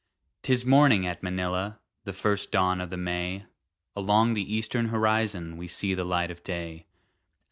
'Tis morning at Manila, The first dawn of the May; Along the eastern horizon We see the light of day.